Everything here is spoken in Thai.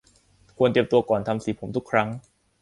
ควรเตรียมตัวก่อนทำสีผมทุกครั้ง